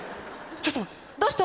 ちょっと待って。